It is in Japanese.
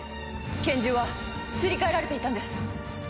拳銃はすり替えられていたんです。